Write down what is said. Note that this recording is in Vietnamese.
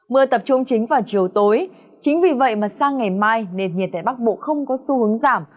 mưa tập trung chính vào chiều tối chính vì vậy mà sang ngày mai nền nhiệt tại bắc bộ không có xu hướng giảm